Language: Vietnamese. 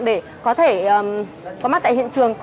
để có thể có mặt tại hiện trường